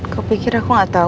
kau pikir aku gak tau